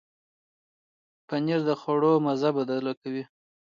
پنېر د خواړو مزه بدله کوي.